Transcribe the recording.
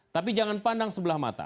tapi jangan pandang sebelah mata